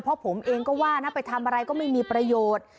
เพราะผมเองก็ว่านะไปทำอะไรก็ไม่มีประโยชน์